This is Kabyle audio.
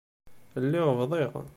Lliɣ bḍiɣ.